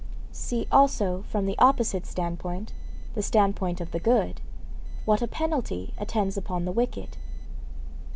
'See, also, from the opposite standpoint the standpoint of the good what a penalty attends upon the wicked.